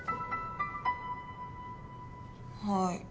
はい。